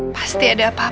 pasti ada apa apanya nih